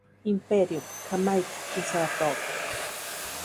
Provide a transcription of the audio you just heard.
Imperium", "Jamaica", y "Saratoga".